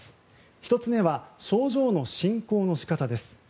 １つ目は症状の進行の仕方です。